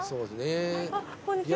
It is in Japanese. こんにちは。